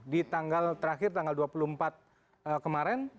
di tanggal terakhir tanggal dua puluh empat kemarin